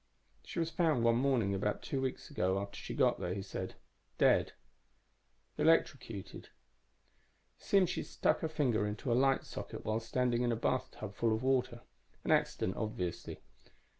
"She was found one morning about two weeks after she got there," he said. "Dead. Electrocuted. It seems she'd stuck her finger into a light socket while standing in a bathtub full of water. An accident, obviously.